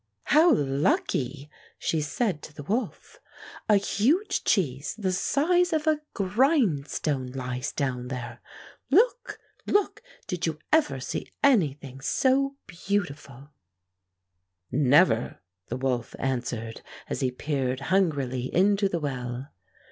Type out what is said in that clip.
''How lucky!" she said to the wolf. "A huge cheese the size of a grindstone lies down there. Look! look! did you ever see any thing so beautiful? " 174 Fairy Tale Foxes "Never," the wolf answered as he peered hungrily into the well.